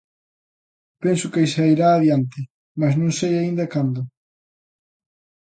Penso que sairá adiante, mais non sei aínda cando.